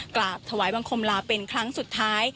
กราบถวายบังคมลาเป็นครั้งสุดท้าย